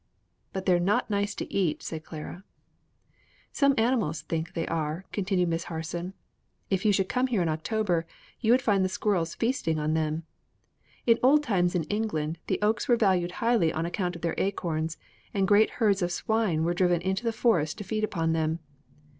"But they're not nice to eat," said Clara. [Illustration: SQUIRREL AND ACORN] "Some animals think they are," continued Miss Harson. "If you should come here in October, you would find the squirrels feasting on them. In old times in England the oaks were valued highly on account of their acorns, and great herds of swine were driven into the forests to feed upon them.